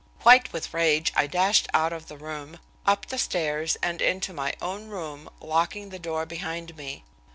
White with rage I dashed out of the room, up the stairs and into my own room, locking the door behind me.